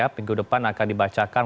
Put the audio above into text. minggu depan akan dibacakan